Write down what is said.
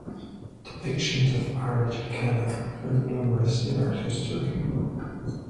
Depictions of "Marriage at Cana" are numerous in art history.